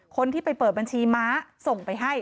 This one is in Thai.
คนที่ไปเปิดบัญชีม้าส่งไปให้